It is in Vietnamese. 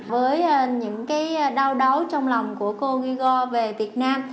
với những cái đau đấu trong lòng của cô ghi go về việt nam